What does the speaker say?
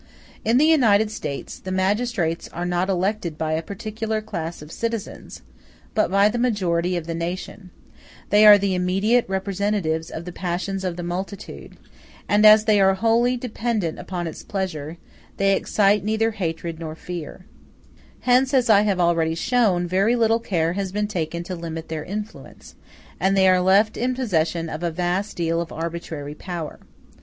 In the United States, the magistrates are not elected by a particular class of citizens, but by the majority of the nation; they are the immediate representatives of the passions of the multitude; and as they are wholly dependent upon its pleasure, they excite neither hatred nor fear: hence, as I have already shown, very little care has been taken to limit their influence, and they are left in possession of a vast deal of arbitrary power.